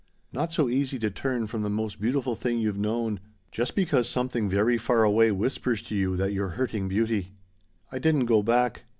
Not so easy to turn from the most beautiful thing you've known just because something very far away whispers to you that you're hurting beauty. "I didn't go back.